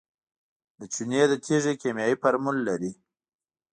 د چونې د تیږې کیمیاوي فورمول لري.